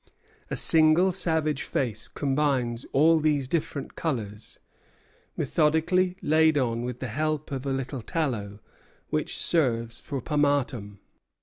A single savage face combines all these different colors, methodically laid on with the help of a little tallow, which serves for pomatum.